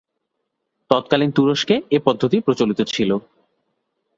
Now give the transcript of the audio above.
তৎকালীন তুরস্কে এ পদ্ধতি প্রচলিত ছিল।